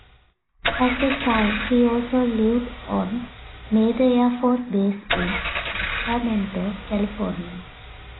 As a child he also lived on Mather Air Force Base in Sacramento, California.